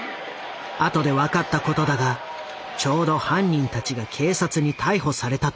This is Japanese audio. あとで分かったことだがちょうど犯人たちが警察に逮捕された時だった。